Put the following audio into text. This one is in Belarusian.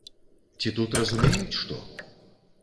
Ці тут разумеюць што?